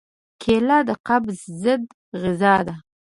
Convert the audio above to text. کېله د قبض ضد غذا ده.